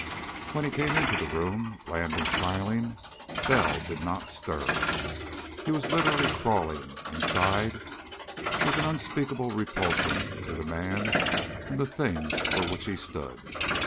When he came into the room, bland and smiling, Bell did not stir. He was literally crawling, inside, with an unspeakable repulsion to the man and the things for which he stood.